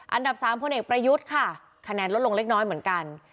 อันดับ๓พลเอกประยุทธ์ค่ะคะแนนลดลงเล็กน้อยเหมือนกัน